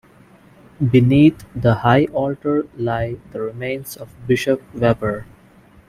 Beneath the high altar lie the remains of Bishop Webber.